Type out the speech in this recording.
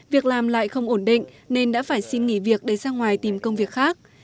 việc làm lại không ổn định nên đã phải xin nghỉ việc để ra ngoài tìm công việc khác